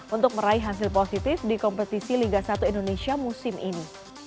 untuk meraih hasil positif di kompetisi liga satu indonesia musim ini